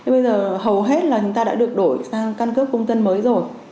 bây giờ hầu hết là người ta đã được đổi sang căn cước công tân mới rồi